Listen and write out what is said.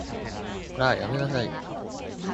こら、やめなさい